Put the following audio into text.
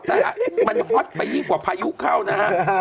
แต่มันฮอตไปยิ่งกว่าพายุเข้านะฮะ